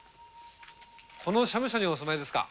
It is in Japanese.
この社務所にお住まいですか？